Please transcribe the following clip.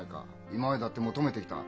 今までだって求めてきた。